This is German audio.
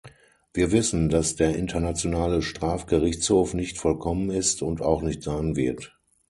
Wir wissen, dass der Internationale Strafgerichtshof nicht vollkommen ist und auch nicht sein wird.